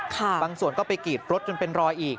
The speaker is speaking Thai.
บางส่วนก็ไปกรีดรถจนเป็นรอยอีก